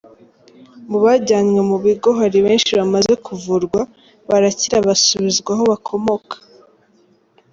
Mu bajyanwe mu bigo hari benshi bamaze kuvurwa barakira basubizwa aho bakomoka.